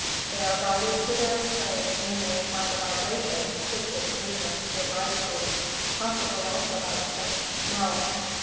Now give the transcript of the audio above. They are guided to their prey mainly by the vibra tions which its movements give rise to, possibly also by the sense of smell.